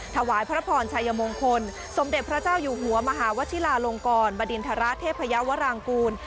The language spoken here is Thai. ถวายพระพรชัยมงคลสมเด็จพระเจ้าอยู่หัวมหาวชิลาลงกรบดินทรเทพยาวรางกูล